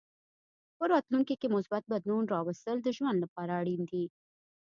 په راتلونکې کې مثبت بدلون راوستل د ژوند لپاره اړین دي.